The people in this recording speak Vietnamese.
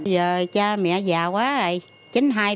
giờ cha mẹ già quá rồi